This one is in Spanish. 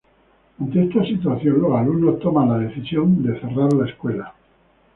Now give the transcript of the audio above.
Ante esta situación, los alumnos toman la decisión de cerrar la escuela.